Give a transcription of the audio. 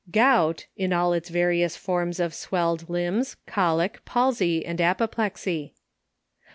Gout in all its various forms of swelled limbs, colic, palsy, and apoplexy.